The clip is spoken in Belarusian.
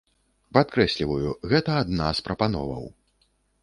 Падкрэсліваю, гэта адна з прапановаў.